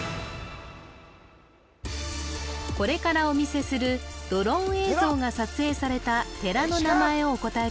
これからお見せするドローン映像が撮影された寺の名前をお答え